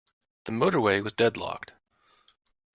The motorway was deadlocked.